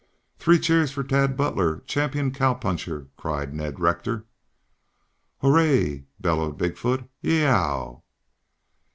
"Three cheers for Tad Butler, champion cowpuncher!" cried Ned Rector. "Hooray!" bellowed Big foot. "Y e e e o w!"